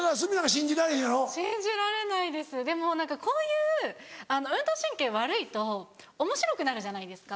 信じられないですでも何かこういう運動神経悪いとおもしろくなるじゃないですか。